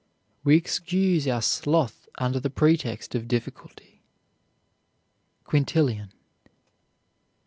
We excuse our sloth under the pretext of difficulty. QUINTILLIAN.